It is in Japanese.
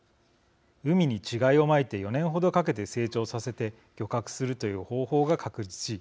海に稚貝をまいて４年ほどかけて成長させて漁獲するという方法が確立し